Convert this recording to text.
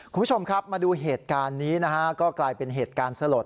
คุณผู้ชมครับมาดูเหตุการณ์นี้นะฮะก็กลายเป็นเหตุการณ์สลด